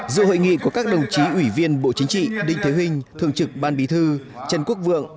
dự hội nghị có các đồng chí ủy viên bộ chính trị đinh thế huynh thường trực ban bí thư trần quốc vượng